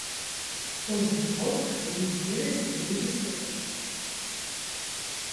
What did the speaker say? Кожны народ павінен ведаць сваю гісторыю.